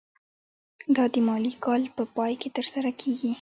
دا د مالي کال په پای کې ترسره کیږي.